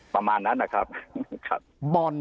ประมาณนั้นนะครับ